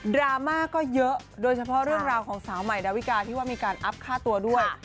ราม่าก็เยอะโดยเฉพาะเรื่องราวของสาวใหม่ดาวิกาที่ว่ามีการอัพค่าตัวด้วย